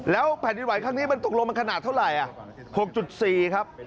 แล้วแผ่นดินไหวครั้งนี้มันตกลงมันขนาดเท่าไหร่๖๔ครับ